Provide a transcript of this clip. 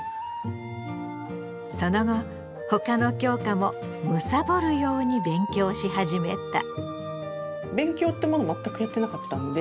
その後他の教科も貪るように勉強し始めた。